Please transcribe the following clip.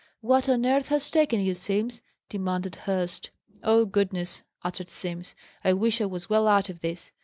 "What on earth has taken you, Simms?" demanded Hurst. "Oh, goodness!" uttered Simms. "I wish I was well out of this!